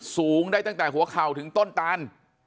สูงได้ตั้งแต่หัวเข่าถึงต้นตาน